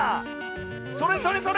それそれそれ！